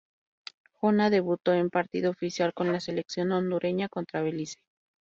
Jona debutó en partido oficial con la selección hondureña contra Belice.